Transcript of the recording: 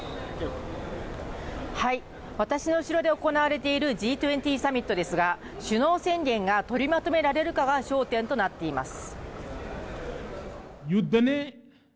私の後ろで行われているＧ２０サミットですが、首脳宣言が取りまとめられるかが焦点になっています。